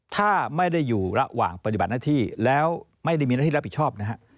ถ้าไม่ได้อยู่ระหว่างปฏิบัติหน้าที่แล้วไม่ได้มีหน้าที่รับผิดชอบนะฮะ